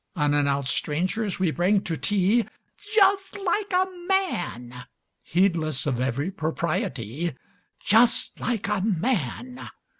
Unannounced strangers we bring to tea: "Just like a man!" Heedless of every propriety: "Just like a man!"